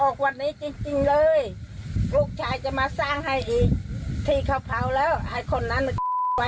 ขอให้กังวลิธารให้ออกวันนี้จริงเลย